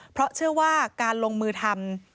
เพราะเชื่อว่าการลงมือทำ